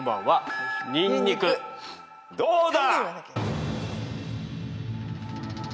どうだ？